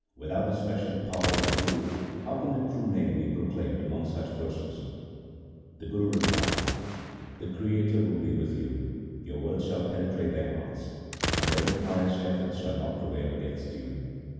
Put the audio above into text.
Without the special power of the Guru how can the True name be proclaimed among such persons ?' The Guru replied, ' The Creator will be with you ; your words shall penetrate their hearts ; and their impious efforts shall not prevail against you.